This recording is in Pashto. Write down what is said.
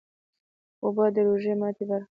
اوبه د روژې ماتی برخه ده